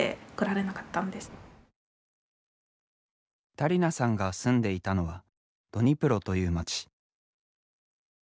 ダリナさんが住んでいたのはドニプロという街。